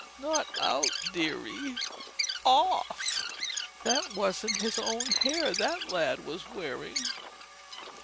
"Not out, dearie—off. That wasn't his own hair that lad was wearing."